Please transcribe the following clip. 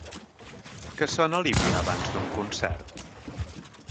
Que sona l’himne abans d’un concert?